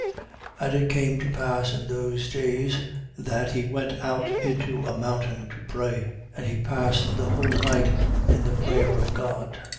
6:12. And it came to pass in those days, that he went out into a mountain to pray: and he passed the whole night in the prayer of God.